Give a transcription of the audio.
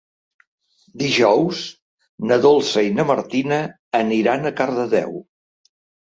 Dijous na Dolça i na Martina aniran a Cardedeu.